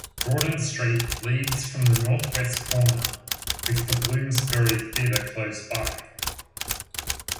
Gordon Street leads from the north-west corner with the Bloomsbury Theatre close by.